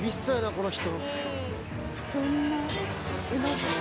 この人。